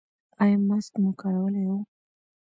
ایا ماسک مو کارولی و؟